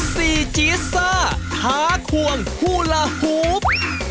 ซีจีซ่าหาควงฮุรหุภ